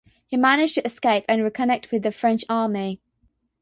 He managed to escape and reconnect with the French army.